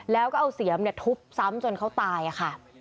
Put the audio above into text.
แล้วก็เอาเสียมทุบซ้ำจนเขาตายค่ะ